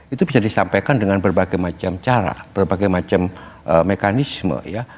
itu bisa disampaikan dengan berbagai macam cara berbagai macam mekanisme ya